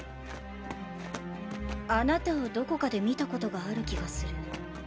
あなたをどこかで見たことがある気がする。